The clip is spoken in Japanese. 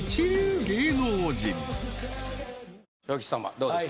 どうですか？